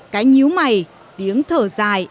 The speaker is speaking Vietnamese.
cái nhíu mày tiếng thở dài